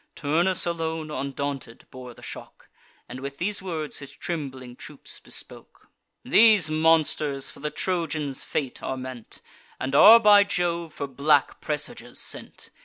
Turnus alone, undaunted, bore the shock, And with these words his trembling troops bespoke: "These monsters for the Trojans' fate are meant, And are by Jove for black presages sent.